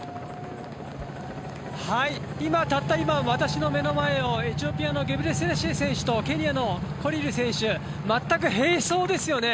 たった今、私の目の前をゲブレシラシエ選手とケニアのコリル選手全く並走ですよね。